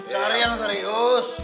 cari yang serius